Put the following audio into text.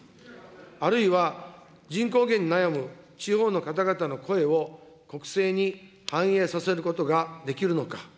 あるいは、人口減に悩む地方の方々の声を国政に反映させることができるのか。